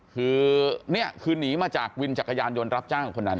คือนี่คือหนีมาจากวินจักรยานยนต์รับจ้างคนนั้น